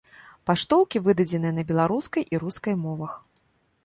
Паштоўкі выдадзеныя на беларускай і рускай мовах.